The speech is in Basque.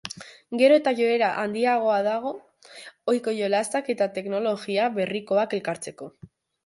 Gero eta joera handiagoa dago ohiko jolasak eta teknologia berrikoak elkartzeko.